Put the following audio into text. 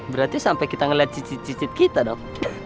berarti sampai kita ngeliat cicit cicit kita dok